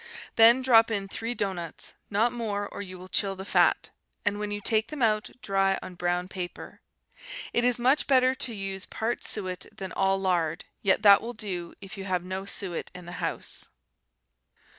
Then drop in three doughnuts, not more, or you will chill the fat, and when you take them out dry on brown paper. It is much better to use part suet than all lard, yet that will do if you have no suet in the house.